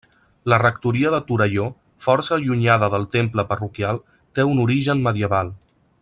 La rectoria de Torelló, força allunyada del temple parroquial, té un origen medieval.